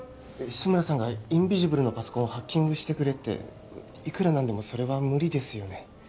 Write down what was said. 志村さんがインビジブルのパソコンをハッキングしてくれっていくら何でもそれは無理ですよね